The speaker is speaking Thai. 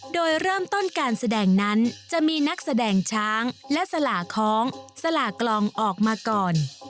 โดยเริ่มต้นการแสดงนั้นจะมีนักแสดงช้างและสลากคล้องสลากลองออกมาก่อน